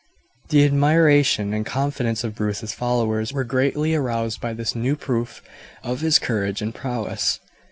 The admiration and confidence of Bruce's followers were greatly aroused by this new proof of his courage and prowess.